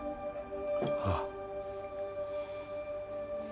ああ。